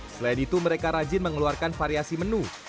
selain itu mereka rajin mengeluarkan variasi menu